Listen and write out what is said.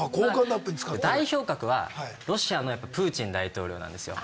代表格はロシアのプーチン大統領なんですよ。